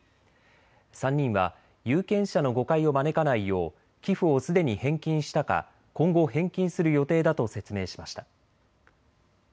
３人は有権者の誤解を招かないよう寄付をすでに返金したか今後、返金する予定だと説明しました。